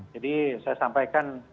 jadi saya sampaikan